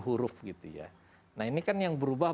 huruf gitu ya nah ini kan yang berubah